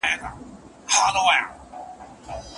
د پلار د نصيحت هدف څه دی؟